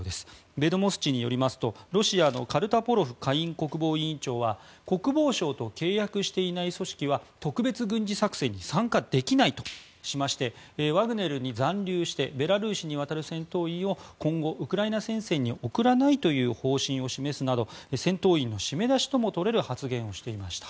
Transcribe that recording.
ベドモスチによりますとロシアのカルタポロフ下院国防委員長は国防省と契約していない組織は特別軍事作戦に参加できないとしましてワグネルに残留してベラルーシに渡る戦闘員を今後、ウクライナ戦線に送らないという方針を示すなど戦闘員の締め出しともとれる発言をしていました。